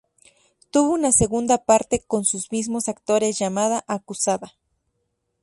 Tuvo una segunda parte con sus mismos actores llamada "Acusada".